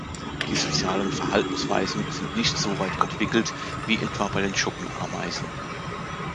Die sozialen Verhaltensweisen sind nicht so weit entwickelt wie etwa bei den Schuppenameisen.